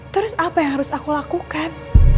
terus apa yang harus aku lakukan